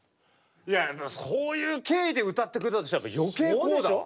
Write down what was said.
そういう経緯で歌ってくれたとしたら余計こうだわ。